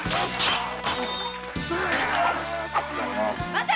・待て！